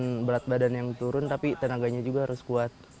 biar gak cuman berat badan yang turun tapi tenaganya juga harus kuat